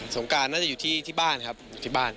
งการน่าจะอยู่ที่บ้านครับอยู่ที่บ้าน